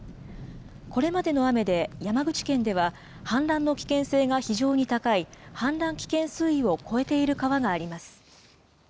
これまでの雨で山口県では氾濫の危険性が非常に高い氾濫危険水位を超えている川があります。